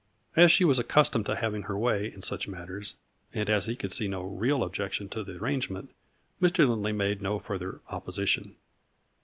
As she was accustomed to having her way in such matters, and as he could see no real objection to the arrangement, Mr. Lindley made no further opposition.